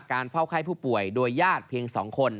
เฝ้าไข้ผู้ป่วยโดยญาติเพียง๒คน